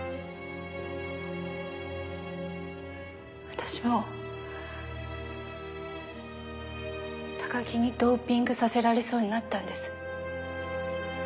私も高木にドーピングさせられそうになったんです。